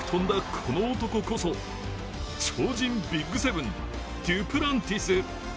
この男こそ、超人ＢＩＧ７、デュプランティス。